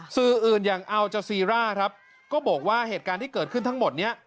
สื่ออื่นอย่างอัลจาซีร่าครับก็บอกว่าเหตุการณ์ที่เกิดขึ้นทั้งหมดนี้